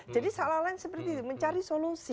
jadi salah lain seperti itu mencari solusi